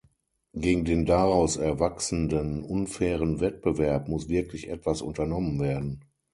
Gegen den daraus erwachsenden unfairen Wettbewerb muss wirklich etwas unternommen werden.